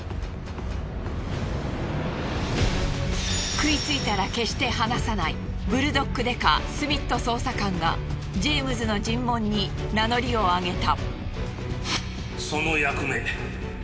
食いついたら決して離さないブルドッグ刑事スミット捜査官がジェームズの尋問に名乗りをあげた。